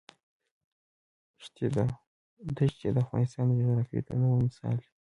ښتې د افغانستان د جغرافیوي تنوع مثال دی.